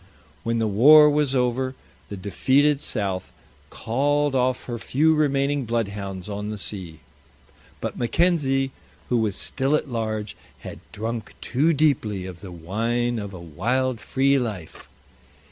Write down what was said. When the war was over the defeated South called off her few remaining bloodhounds on the sea. But Mackenzie, who was still at large, had drunk too deeply of the wine of a wild, free life.